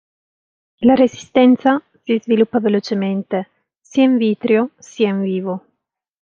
La resistenza si sviluppa velocemente sia in vitro sia in vivo.